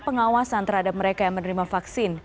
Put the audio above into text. pengawasan terhadap mereka yang menerima vaksin